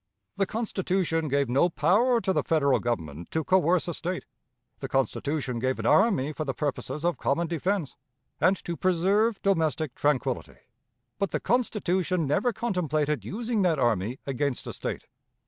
The Constitution gave no power to the Federal Government to coerce a State; the Constitution gave an army for the purposes of common defense, and to preserve domestic tranquillity; but the Constitution never contemplated using that army against a State.